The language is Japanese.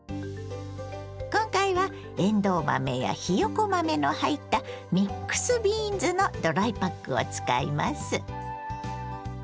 今回はえんどう豆やひよこ豆の入ったミックスビーンズのドライパックを使います。